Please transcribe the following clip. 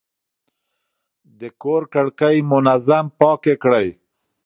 د کور کړکۍ منظم پاکې کړئ.